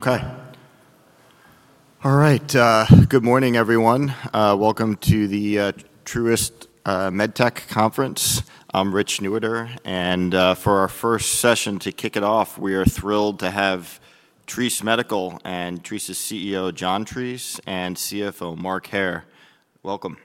Okay. All right, good morning, everyone. Welcome to the Truist MedTech Conference. I'm Rich Newitter, and for our first session, to kick it off, we are thrilled to have Treace Medical, and Treace's CEO, John Treace, and CFO, Mark Hair. Welcome.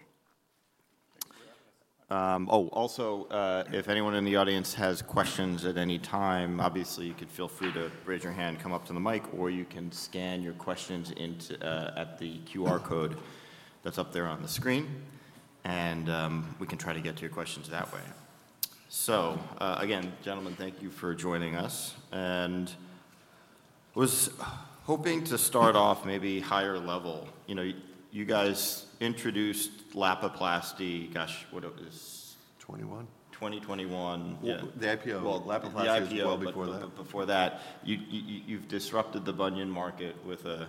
Oh, also, if anyone in the audience has questions at any time, obviously, you could feel free to raise your hand, come up to the mic, or you can scan your questions into at the QR code that's up there on the screen, and we can try to get to your questions that way. So, again, gentlemen, thank you for joining us, and I was hoping to start off maybe higher level. You know, you guys introduced Lapiplasty, gosh, what was 2021? 2021. Yeah. Well, the IPO Lapiplasty was well before that Before that. You've disrupted the bunion market with a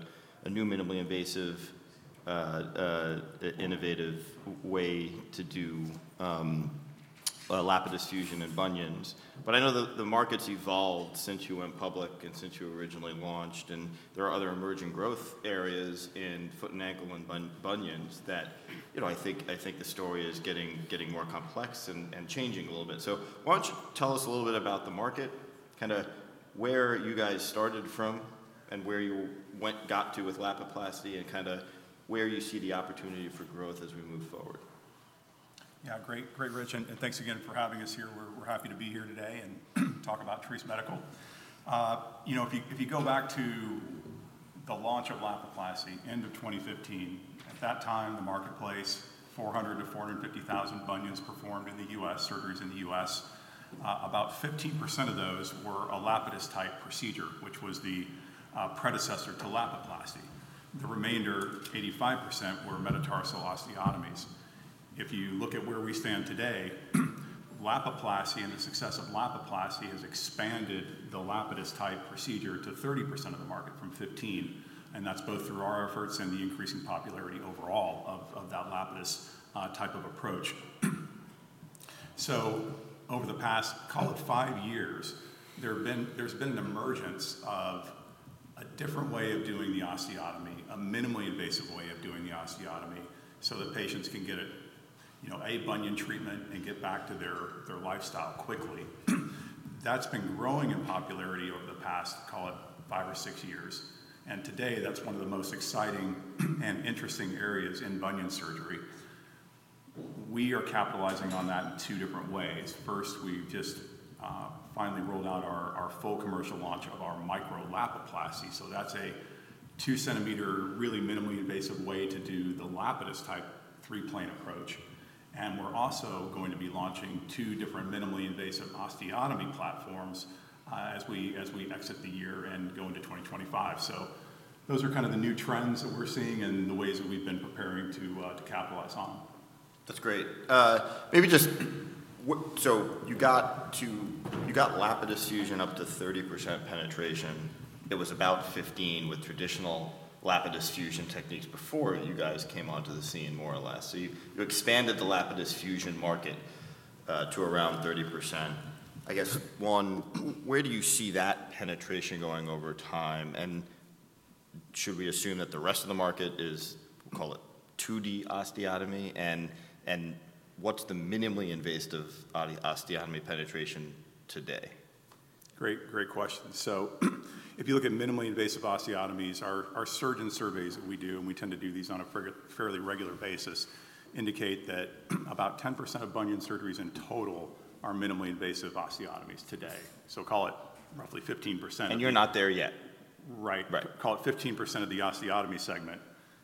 new minimally invasive, innovative way to do Lapidus fusion and bunions. But I know the market's evolved since you went public and since you originally launched, and there are other emerging growth areas in foot and ankle and bunions that, you know, I think the story is getting more complex and changing a little bit. So why don't you tell us a little bit about the market, kind of where you guys started from and where you got to with Lapiplasty, and kind of where you see the opportunity for growth as we move forward? Yeah, great. Great, Rich, and thanks again for having us here. We're happy to be here today and talk about Treace Medical. You know, if you go back to the launch of Lapiplasty, end of 2015, at that time, the marketplace, 400-450,000 bunion surgeries in the U.S. About 15% of those were a Lapidus-type procedure, which was the predecessor to Lapiplasty. The remainder, 85%, were metatarsal osteotomies. If you look at where we stand today, Lapiplasty and the success of Lapiplasty has expanded the Lapidus-type procedure to 30% of the market from 15%, and that's both through our efforts and the increasing popularity overall of that Lapidus type of approach. So over the past, call it five years, there's been an emergence of a different way of doing the osteotomy, a minimally invasive way of doing the osteotomy, so that patients can get a, you know, a bunion treatment and get back to their lifestyle quickly. That's been growing in popularity over the past, call it five or six years, and today, that's one of the most exciting and interesting areas in bunion surgery. We are capitalizing on that in two different ways. First, we've just finally rolled out our full commercial launch of our Micro-Lapiplasty, so that's a 2-centimeter, really minimally invasive way to do the Lapidus-type three-plane approach. And we're also going to be launching two different minimally invasive osteotomy platforms as we exit the year and go into 2025. Those are kind of the new trends that we're seeing and the ways that we've been preparing to capitalize on them. That's great. Maybe just— So you got Lapidus fusion up to 30% penetration. It was about 15 with traditional Lapidus fusion techniques before you guys came onto the scene, more or less. So you expanded the Lapidus fusion market to around 30%. I guess, one, where do you see that penetration going over time, and should we assume that the rest of the market is, call it, 2D osteotomy, and what's the minimally invasive osteotomy penetration today? Great, great question. So if you look at minimally invasive osteotomies, our surgeon surveys that we do, and we tend to do these on a fairly regular basis, indicate that about 10% of bunion surgeries in total are minimally invasive osteotomies today. So call it roughly 15% of the And you're not there yet? Right. Call it 15% of the osteotomy segment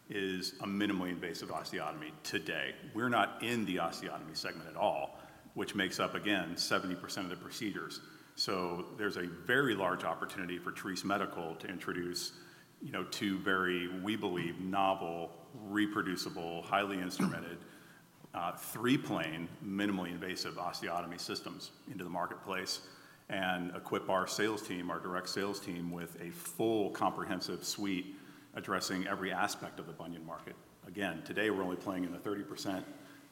is a minimally invasive osteotomy today. We're not in the osteotomy segment at all, which makes up, again, 70% of the procedures. So there's a very large opportunity for Treace Medical to introduce, you know, two very, we believe, novel, reproducible, highly instrumented, three-plane, minimally invasive osteotomy systems into the marketplace and equip our sales team, our direct sales team, with a full comprehensive suite addressing every aspect of the bunion market. Again, today we're only playing in the 30%,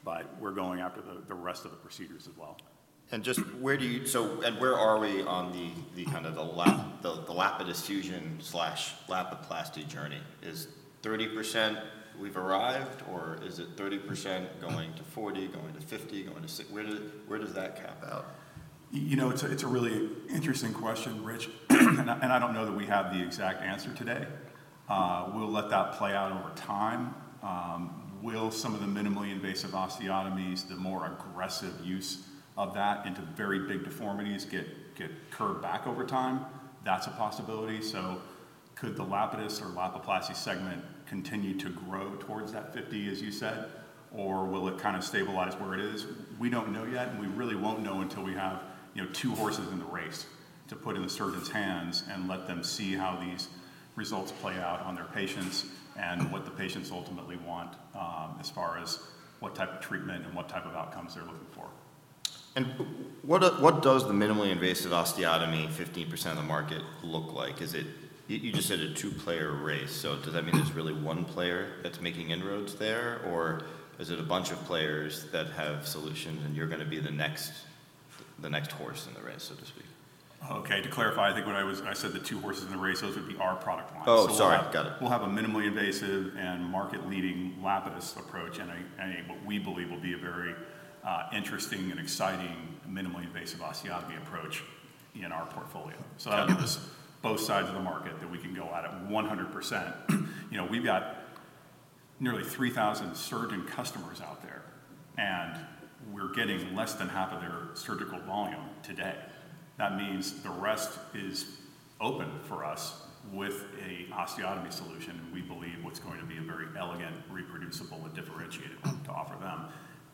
but we're going after the, the rest of the procedures as well. Where are we on the kind of the Lapidus fusion slash Lapiplasty journey? Is 30%, we've arrived, or is it 30% going to 40, going to 50, going to 60? Where does that cap out? You know, it's a really interesting question, Rich, and I don't know that we have the exact answer today. We'll let that play out over time. Will some of the minimally invasive osteotomies, the more aggressive use of that into very big deformities, get curved back over time? That's a possibility. So could the Lapidus or Lapiplasty segment continue to grow towards that 50, as you said, or will it kind of stabilize where it is? We don't know yet, and we really won't know until we have, you know, two horses in the race to put in the surgeon's hands and let them see how these results play out on their patients, and what the patients ultimately want, as far as what type of treatment and what type of outcomes they're looking for. What does the minimally invasive osteotomy, 15% of the market, look like? Is it... you just said a two-player race, so does that mean there's really one player that's making inroads there, or is it a bunch of players that have solutions and you're going to be the next?... the next horse in the race, so to speak? Okay, to clarify, I think what I said, the two horses in the race, those would be our product line. Oh, sorry. Got it. We'll have a minimally invasive and market-leading Lapidus approach, and what we believe will be a very interesting and exciting minimally invasive osteotomy approach in our portfolio. So that gives both sides of the market that we can go at it 100%. You know, we've got nearly 3,000 surgeon customers out there, and we're getting less than half of their surgical volume today. That means the rest is open for us with a osteotomy solution, and we believe what's going to be a very elegant, reproducible, and differentiated one to offer them.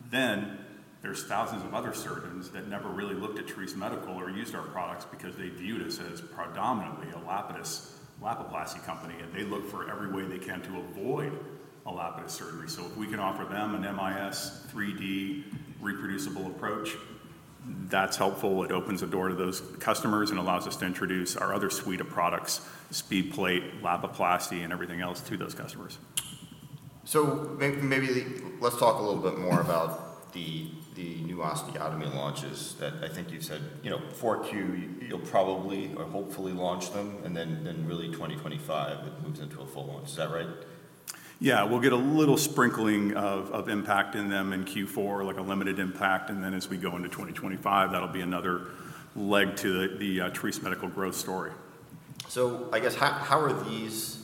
Then, there's thousands of other surgeons that never really looked at Treace Medical or used our products because they viewed us as predominantly a Lapidus Lapiplasty company, and they look for every way they can to avoid a Lapidus surgery. So if we can offer them an MIS 3D reproducible approach, that's helpful. It opens the door to those customers and allows us to introduce our other suite of products, SpeedPlate, Lapiplasty, and everything else to those customers. So maybe let's talk a little bit more about the new osteotomy launches that I think you said, you know, Q4, you'll probably or hopefully launch them, and then really 2025, it moves into a full launch. Is that right? Yeah, we'll get a little sprinkling of impact in them in Q4, like a limited impact, and then as we go into 2025, that'll be another leg to the Treace Medical growth story. So I guess, how are these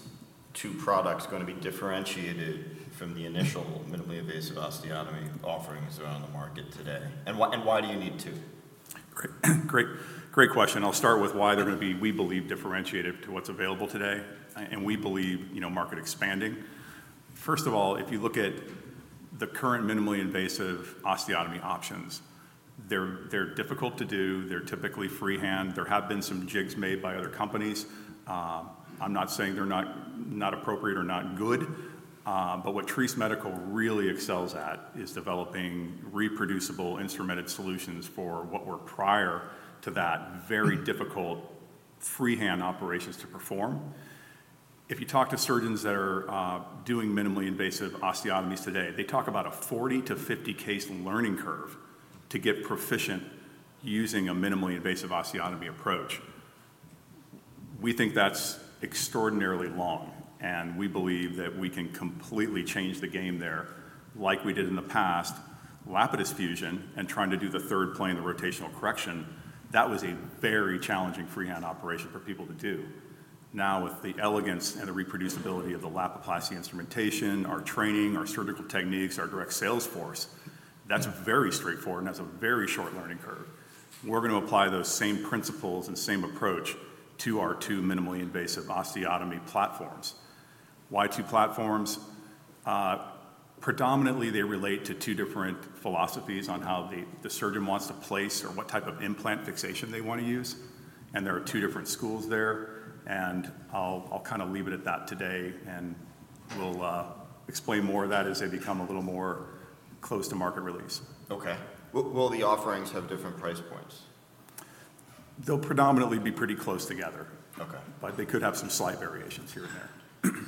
two products going to be differentiated from the initial minimally invasive osteotomy offerings around the market today? And why do you need two? Great, great, great question. I'll start with why they're going to be, we believe, differentiated to what's available today, and we believe, you know, market expanding. First of all, if you look at the current minimally invasive osteotomy options, they're difficult to do. They're typically freehand. There have been some jigs made by other companies. I'm not saying they're not appropriate or not good, but what Treace Medical really excels at is developing reproducible, instrumented solutions for what were, prior to that, very difficult freehand operations to perform. If you talk to surgeons that are doing minimally invasive osteotomies today, they talk about a 40-50 case learning curve to get proficient using a minimally invasive osteotomy approach. We think that's extraordinarily long, and we believe that we can completely change the game there like we did in the past. Lapidus fusion and trying to do the third plane, the rotational correction, that was a very challenging freehand operation for people to do. Now, with the elegance and the reproducibility of the Lapiplasty instrumentation, our training, our surgical techniques, our direct sales force, that's very straightforward, and that's a very short learning curve. We're going to apply those same principles and same approach to our two minimally invasive osteotomy platforms. Why two platforms? Predominantly, they relate to two different philosophies on how the surgeon wants to place or what type of implant fixation they want to use, and there are two different schools there, and I'll, I'll kind of leave it at that today, and we'll explain more of that as they become a little more close to market release. Okay. Will, will the offerings have different price points? They'll predominantly be pretty close together. Okay. But they could have some slight variations here and there.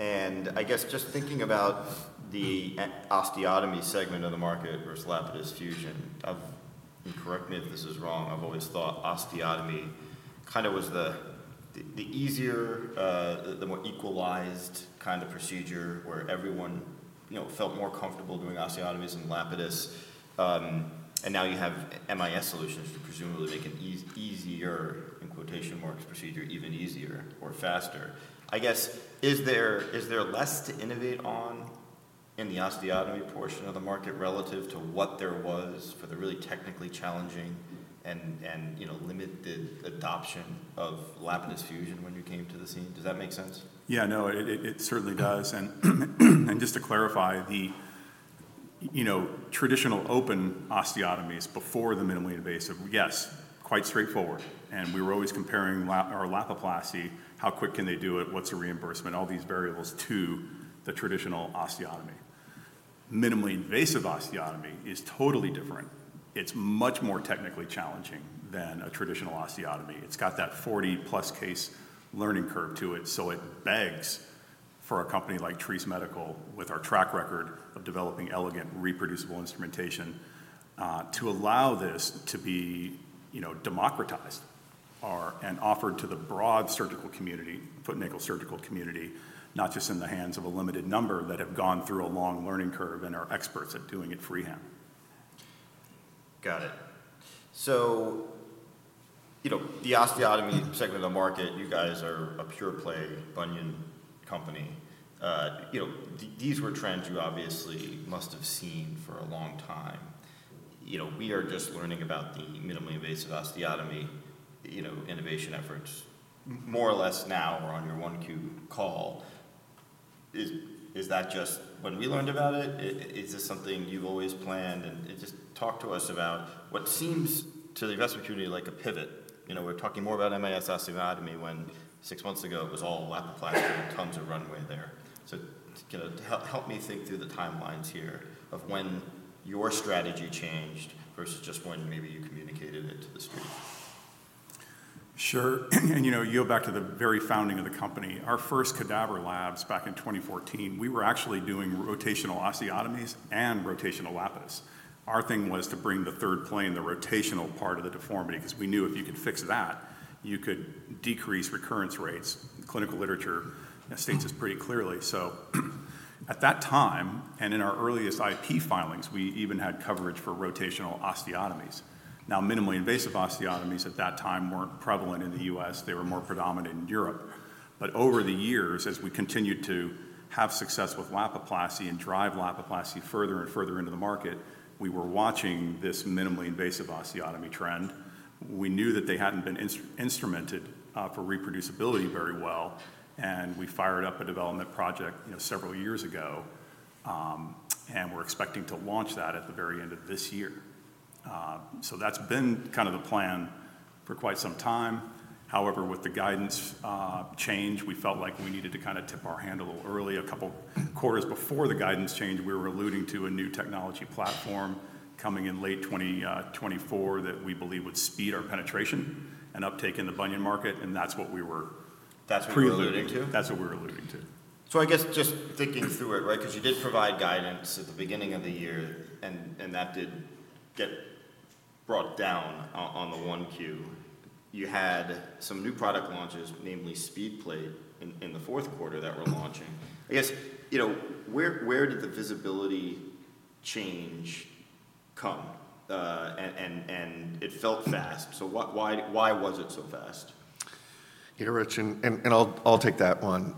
I guess just thinking about the osteotomy segment of the market versus Lapidus fusion, I've... And correct me if this is wrong, I've always thought osteotomy kind of was the easier, the more equalized kind of procedure, where everyone, you know, felt more comfortable doing osteotomies than Lapidus. And now you have MIS solutions to presumably make an easier, in quotation marks, procedure even easier or faster. I guess, is there less to innovate on in the osteotomy portion of the market relative to what there was for the really technically challenging and, you know, limited adoption of Lapidus fusion when you came to the scene? Does that make sense? Yeah, no, it certainly does. And just to clarify, you know, traditional open osteotomies before the minimally invasive, yes, quite straightforward, and we were always comparing Lapiplasty, how quick can they do it, what's the reimbursement, all these variables to the traditional osteotomy. Minimally invasive osteotomy is totally different. It's much more technically challenging than a traditional osteotomy. It's got that 40+ case learning curve to it. So it begs for a company like Treace Medical, with our track record of developing elegant, reproducible instrumentation, to allow this to be, you know, democratized or and offered to the broad surgical community, foot and ankle surgical community, not just in the hands of a limited number that have gone through a long learning curve and are experts at doing it freehand. Got it. So, you know, the osteotomy segment of the market, you guys are a pure play bunion company. You know, these were trends you obviously must have seen for a long time. You know, we are just learning about the minimally invasive osteotomy, you know, innovation efforts, more or less now or on your 1Q call. Is that just when we learned about it? Is this something you've always planned? And just talk to us about what seems, to the investor community, like a pivot. You know, we're talking more about MIS osteotomy when six months ago, it was all Lapiplasty and tons of runway there. So kind of help me think through the timelines here of when your strategy changed versus just when maybe you communicated it to the street. Sure. And, you know, you go back to the very founding of the company, our first cadaver labs back in 2014, we were actually doing rotational osteotomies and rotational Lapidus. Our thing was to bring the third plane, the rotational part of the deformity, 'cause we knew if you could fix that, you could decrease recurrence rates. The clinical literature states this pretty clearly. So, at that time, and in our earliest IP filings, we even had coverage for rotational osteotomies. Now, minimally invasive osteotomies at that time weren't prevalent in the U.S., they were more predominant in Europe. But over the years, as we continued to have success with Lapiplasty and drive Lapiplasty further and further into the market, we were watching this minimally invasive osteotomy trend. We knew that they hadn't been instrumented for reproducibility very well, and we fired up a development project, you know, several years ago, and we're expecting to launch that at the very end of this year. So that's been kind of the plan for quite some time. However, with the guidance change, we felt like we needed to kind of tip our hand a little early. A couple quarters before the guidance change, we were alluding to a new technology platform coming in late 2024, that we believe would speed our penetration and uptake in the bunion market, and that's what we were That's what you were alluding to? That's what we were alluding to. So I guess just thinking through it, right? 'Cause you did provide guidance at the beginning of the year, and that did get brought down on the 1Q. You had some new product launches, namely SpeedPlate, in the fourth quarter that were launching. I guess, you know, where did the visibility change come? And it felt fast. So what—why was it so fast? Yeah, Rich, I'll take that one.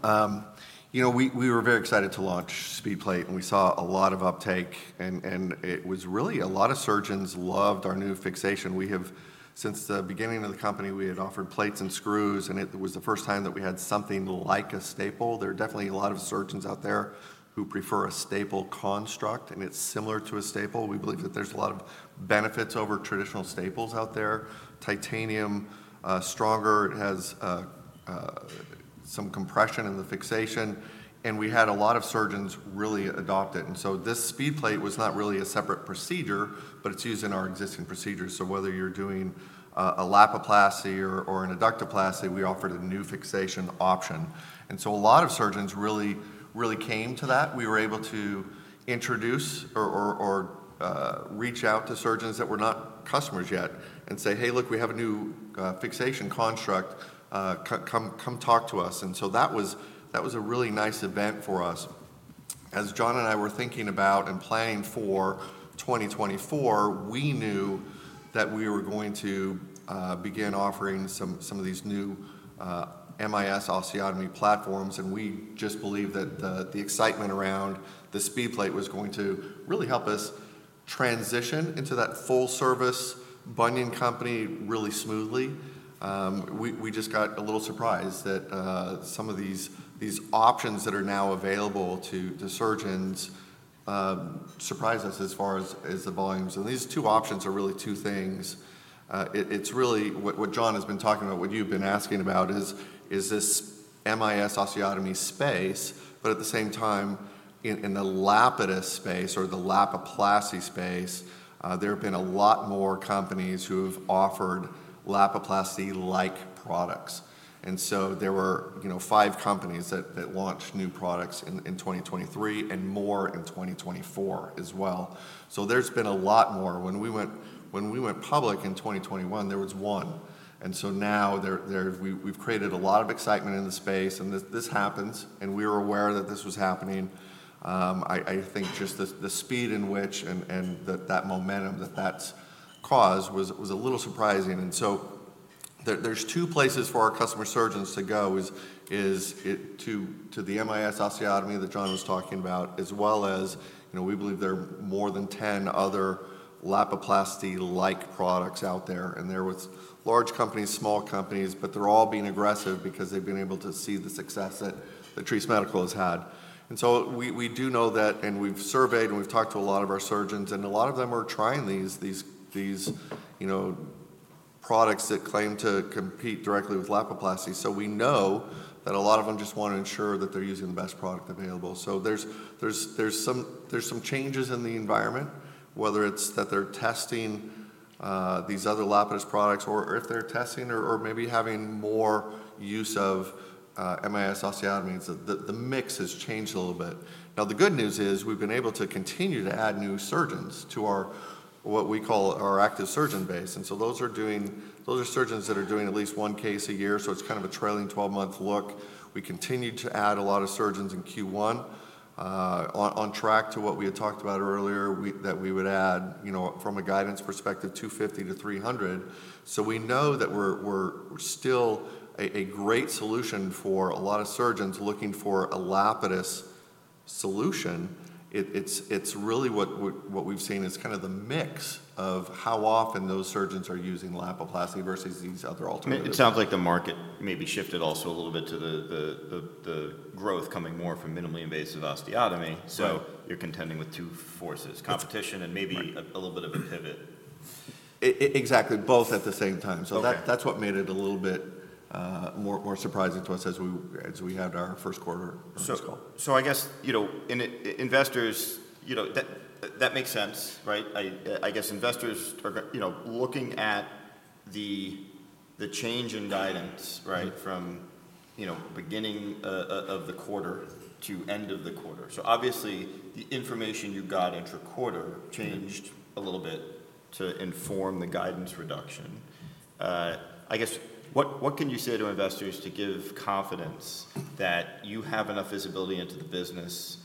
You know, we were very excited to launch SpeedPlate, and we saw a lot of uptake, and it was really a lot of surgeons loved our new fixation. We have. Since the beginning of the company, we had offered plates and screws, and it was the first time that we had something like a staple. There are definitely a lot of surgeons out there who prefer a staple construct, and it's similar to a staple. We believe that there's a lot of benefits over traditional staples out there. Titanium, stronger, it has some compression in the fixation, and we had a lot of surgeons really adopt it. And so this SpeedPlate was not really a separate procedure, but it's used in our existing procedures. So whether you're doing a Lapiplasty or an Adductoplasty, we offered a new fixation option, and so a lot of surgeons really, really came to that. We were able to introduce or reach out to surgeons that were not customers yet and say, "Hey, look, we have a new fixation construct. Come talk to us." And so that was a really nice event for us. As John and I were thinking about and planning for 2024, we knew that we were going to begin offering some of these new MIS osteotomy platforms, and we just believe that the excitement around the SpeedPlate was going to really help us transition into that full-service bunion company really smoothly. We just got a little surprised that some of these options that are now available to surgeons surprised us as far as the volumes. These two options are really two things. It's really what John has been talking about, what you've been asking about, is this MIS osteotomy space, but at the same time, in the Lapidus space or the Lapiplasty space, there have been a lot more companies who have offered Lapiplasty-like products. So there were, you know, five companies that launched new products in 2023 and more in 2024 as well. So there's been a lot more. When we went public in 2021, there was one, and so now there we've created a lot of excitement in the space, and this happens, and we were aware that this was happening. I think just the speed in which and that momentum that that's caused was a little surprising. And so there's two places for our customer surgeons to go is it to the MIS osteotomy that John was talking about, as well as, you know, we believe there are more than 10 other Lapiplasty-like products out there, and they're with large companies, small companies, but they're all being aggressive because they've been able to see the success that Treace Medical has had. We do know that, and we've surveyed, and we've talked to a lot of our surgeons, and a lot of them are trying these, you know, products that claim to compete directly with Lapiplasty. So we know that a lot of them just want to ensure that they're using the best product available. So there's some changes in the environment, whether it's that they're testing these other Lapidus products or if they're testing or maybe having more use of MIS osteotomies. The mix has changed a little bit. Now, the good news is we've been able to continue to add new surgeons to our, what we call our active surgeon base, and so those are surgeons that are doing at least one case a year, so it's kind of a trailing twelve-month look. We continued to add a lot of surgeons in Q1, on track to what we had talked about earlier, that we would add, you know, from a guidance perspective, 250 to 300. So we know that we're still a great solution for a lot of surgeons looking for a Lapidus solution. It's really what we've seen is kind of the mix of how often those surgeons are using Lapiplasty versus these other alternatives. It sounds like the market maybe shifted also a little bit to the growth coming more from minimally invasive osteotomy. You're contending with two forces: competition and maybe a little bit of a pivot. Exactly, both at the same time. Okay. So that, that's what made it a little bit more surprising to us as we had our first quarter earnings call. So, I guess, you know, and investors, you know, that makes sense, right? I guess investors are, you know, looking at the change in guidance, right?. From, you know, beginning of the quarter to end of the quarter. So obviously, the information you got intra-quarter changed a little bit to inform the guidance reduction. I guess, what can you say to investors to give confidence that you have enough visibility into the business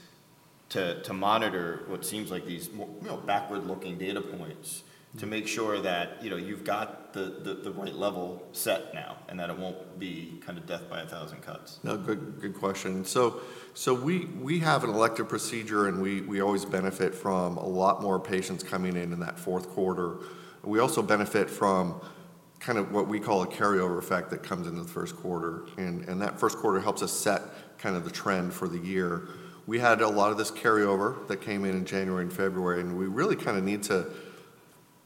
to monitor what seems like these you know, backward-looking data points? to make sure that, you know, you've got the right level set now, and that it won't be kinda death by a thousand cuts? No, good, good question. So, we have an elective procedure, and we always benefit from a lot more patients coming in in that fourth quarter. We also benefit from kinda what we call a carryover effect that comes into the first quarter, and that first quarter helps us set kind of the trend for the year. We had a lot of this carryover that came in in January and February, and we really kinda need to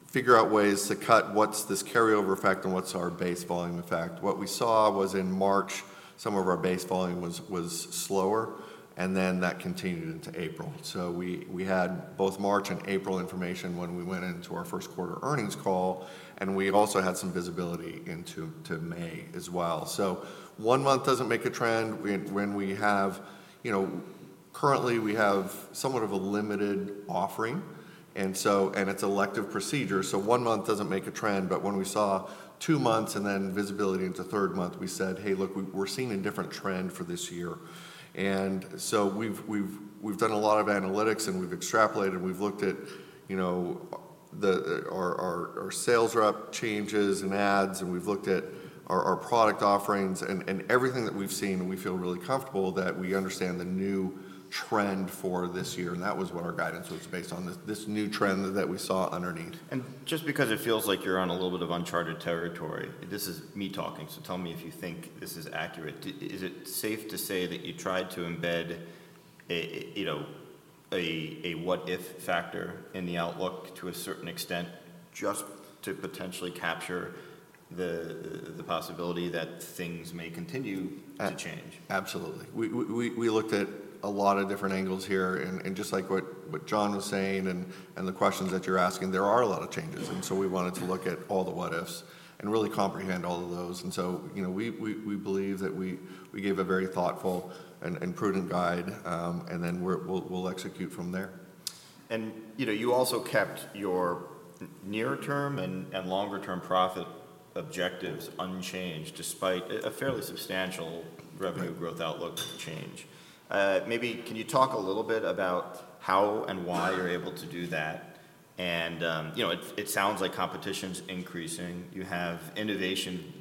figure out ways to cut what's this carryover effect and what's our base volume effect. What we saw was in March, some of our base volume was slower, and then that continued into April. So we had both March and April information when we went into our first quarter earnings call, and we also had some visibility into May as well. So one month doesn't make a trend. When we have you know, currently we have somewhat of a limited offering, and so, it's elective procedure, so one month doesn't make a trend. But when we saw two months and then visibility into third month, we said, "Hey, look, we're seeing a different trend for this year." And so we've done a lot of analytics, and we've extrapolated, we've looked at, you know, our sales rep changes and adds, and we've looked at our product offerings, and everything that we've seen, we feel really comfortable that we understand the new trend for this year, and that was what our guidance was based on, this new trend that we saw underneath. Just because it feels like you're on a little bit of uncharted territory, this is me talking, so tell me if you think this is accurate. Is it safe to say that you tried to embed a, you know, what if factor in the outlook to a certain extent, just to potentially capture the possibility that things may continue-A- to change? Absolutely. We looked at a lot of different angles here, and just like what John was saying and the questions that you're asking, there are a lot of changes. And so we wanted to look at all the what ifs and really comprehend all of those. And so, you know, we believe that we gave a very thoughtful and prudent guide, and then we'll execute from there. You know, you also kept your near-term and longer-term profit objectives unchanged, despite a fairly substantial revenue growth outlook change. Maybe can you talk a little bit about how and why you're able to do that? And, you know, it sounds like competition's increasing. You have innovation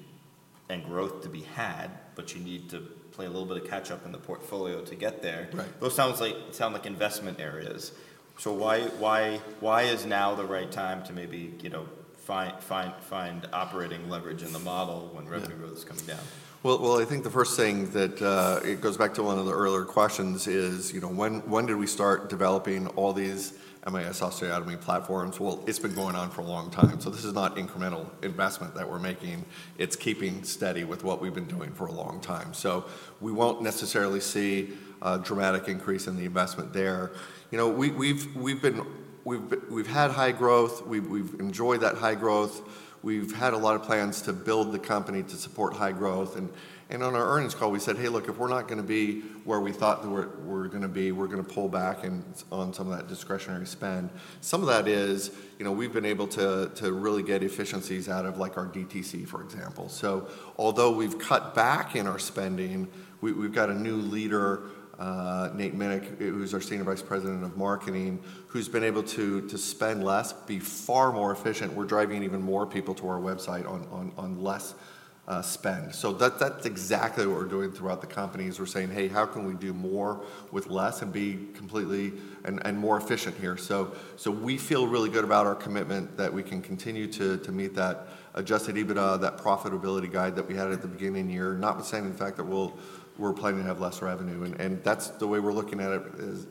and growth to be had, but you need to play a little bit of catch-up in the portfolio to get there. Right. Those sound like investment areas. So why is now the right time to maybe, you know, find operating leverage in the model? Yeah When revenue growth is coming down? Well, well, I think the first thing that it goes back to one of the earlier questions is, you know, when, when did we start developing all these MIS osteotomy platforms? Well, it's been going on for a long time, so this is not incremental investment that we're making. It's keeping steady with what we've been doing for a long time. So we won't necessarily see a dramatic increase in the investment there. You know, we've had high growth. We've, we've enjoyed that high growth. We've had a lot of plans to build the company to support high growth. And, and on our earnings call, we said: Hey, look, if we're not gonna be where we thought we were, we were gonna be, we're gonna pull back and on some of that discretionary spend. Some of that is, you know, we've been able to really get efficiencies out of, like, our DTC, for example. So although we've cut back in our spending, we've got a new leader, Nathan Minnich, who's our Senior Vice President of Marketing, who's been able to spend less, be far more efficient. We're driving even more people to our website on less spend. So that's exactly what we're doing throughout the company, is we're saying: Hey, how can we do more with less and be completely and more efficient here? So we feel really good about our commitment that we can continue to meet that adjusted EBITDA, that profitability guide that we had at the beginning of the year. Notwithstanding the fact that we're planning to have less revenue, and that's the way we're looking at it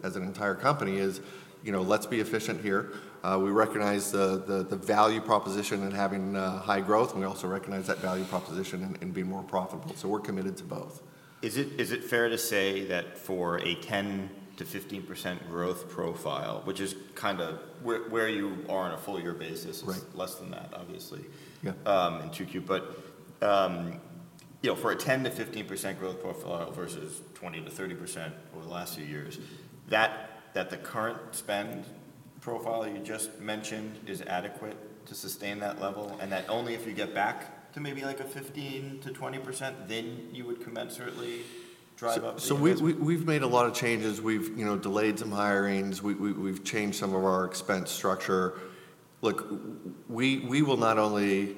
as an entire company is, you know, let's be efficient here. We recognize the value proposition in having high growth, and we also recognize that value proposition in being more profitable, so we're committed to both. Is it, is it fair to say that for a 10%-15% growth profile, which is kind of where, where you are on a full year basis? Right Less than that, obviously- Yeah in Q2. But you know, for a 10%-15% growth profile versus 20%-30% over the last few years, that the current spend profile you just mentioned is adequate to sustain that level, and that only if you get back to maybe, like, a 15%-20%, then you would commensurately drive up the- So we've made a lot of changes. We've, you know, delayed some hirings. We've changed some of our expense structure. Look, we will not only...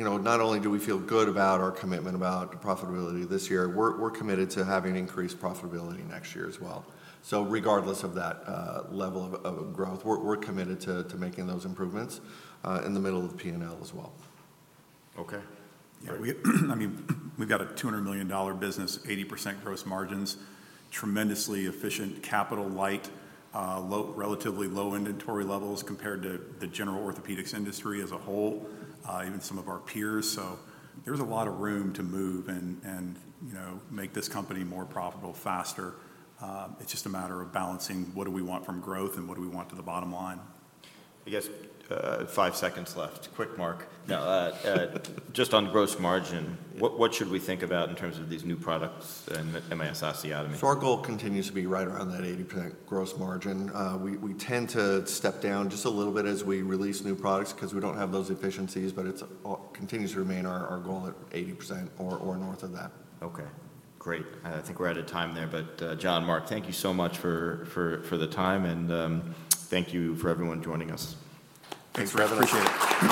You know, not only do we feel good about our commitment about profitability this year, we're committed to having increased profitability next year as well. So regardless of that level of growth, we're committed to making those improvements in the middle of the P&L as well. Okay. Yeah, I mean, we've got a $200 million business, 80% gross margins, tremendously efficient, capital light, relatively low inventory levels compared to the general orthopedics industry as a whole, even some of our peers. So there's a lot of room to move and, you know, make this company more profitable faster. It's just a matter of balancing what do we want from growth and what do we want to the bottom line? I guess, five seconds left. Quick, Mark. Now, just on gross margin, what should we think about in terms of these new products and MIS osteotomy? So our goal continues to be right around that 80% gross margin. We tend to step down just a little bit as we release new products 'cause we don't have those efficiencies, but it's continues to remain our goal at 80% or north of that. Okay, great. I think we're out of time there. But, John, Mark, thank you so much for the time, and thank you for everyone joining us. Thanks for having us. Appreciate it.